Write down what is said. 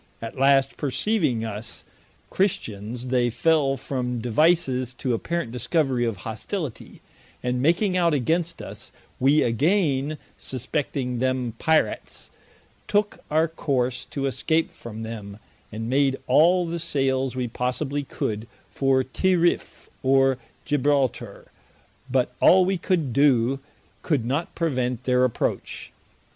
At last perceiving us Christians, they fell from devices to apparent discovery of hostility, and making out against us: we againe suspecting them Pirats, tooke our course to escape from them, and made all the sailes we possibly could for Tirriff, or Gibraltar: but all we could doe, could not prevent their approach.